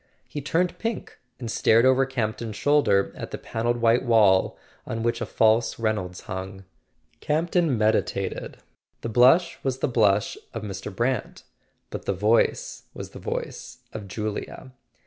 He turned pink and stared over Campton's shoulder at the pan¬ elled white wall, on which a false Reynolds hung. Campton meditated. The blush was the blush of Mr. Brant, but the voice was the voice of Julia.